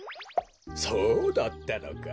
そうだったのか。